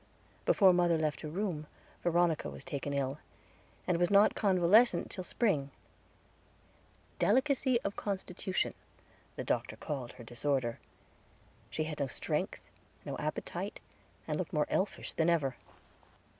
Before mother left her room Veronica was taken ill, and was not convalescent till spring. Delicacy of constitution the doctor called her disorder. She had no strength, no appetite, and looked more elfish than ever.